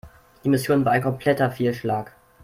Die Mission war ein kompletter Fehlschlag.